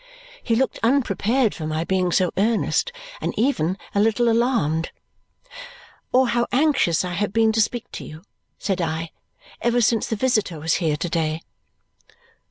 He looked unprepared for my being so earnest, and even a little alarmed. "Or how anxious I have been to speak to you," said I, "ever since the visitor was here to day."